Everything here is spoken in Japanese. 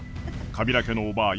カビラ家のおばぁ